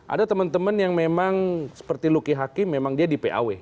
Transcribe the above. ada teman teman yang memang seperti luki hakim memang dia di paw